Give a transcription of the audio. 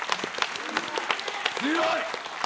強い！